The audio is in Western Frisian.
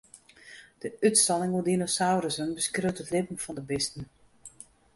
De útstalling oer dinosaurussen beskriuwt it libben fan de bisten.